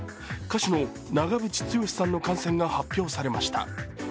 歌手の長渕剛さんの感染が発表されました。